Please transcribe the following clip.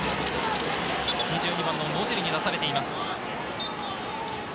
２２番の野尻に出されています。